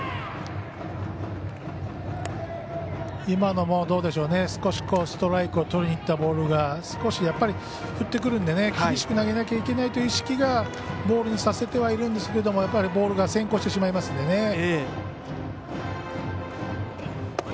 今のも、少しストライクをとりにいったボールがやっぱり振ってくるので厳しく投げなきゃいけないという意識がボールにさせてはいるんですがやっぱりボールが先行してしまいますのでね。